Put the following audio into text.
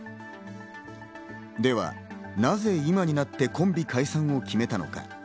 では、なぜ今になってコンビ解散を決めたのか。